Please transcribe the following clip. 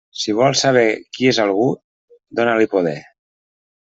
Si vols saber qui és algú, dóna-li poder.